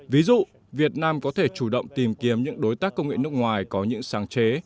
ví dụ việt nam có thể chủ động tìm kiếm những đối tác công nghệ nước ngoài có những sáng chế